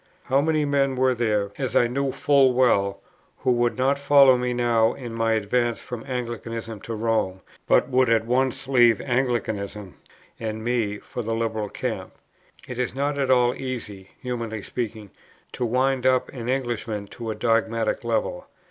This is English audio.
How many men were there, as I knew full well, who would not follow me now in my advance from Anglicanism to Rome, but would at once leave Anglicanism and me for the Liberal camp. It is not at all easy (humanly speaking) to wind up an Englishman to a dogmatic level.